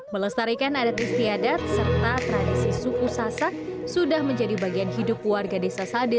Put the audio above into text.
melestarikan adat istiadat serta tradisi suku sasak sudah menjadi bagian hidup warga desa sade